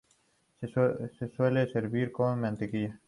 Se suele servir con mantequilla.